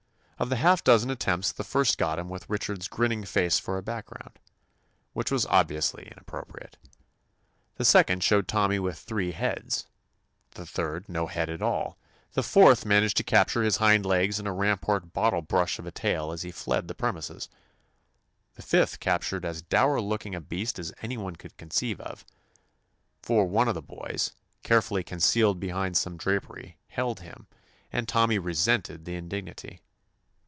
Of the half dozen attempts the first got him with Richard's grin ning face for a background, which was obviously inappropriate. The sec 167 THE ADVENTURES OF ond showed Tommy with three heads; the third no head at all; the fourth managed to capture his hind legs and a rampant bottle brush of a tail as he fled the premises; the fifth captured as dour looking a beast as anyone could conceive of, for one of the boys, carefully concealed behind some dra pery, held him, and Tommy resented the indignity.